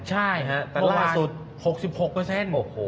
ใช่ประมาณ๖๖เปอร์เซ็นต์